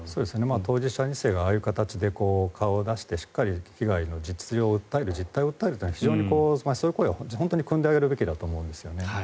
当事者２世がああいう形で顔を出してしっかり被害の実情を訴える実態を訴えるというのは非常にそういう声はくんであげるべきだと思うんです。